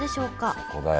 そこだよ